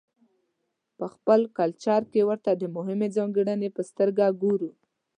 په خپل کلچر کې ورته د مهمې ځانګړنې په سترګه ګورو.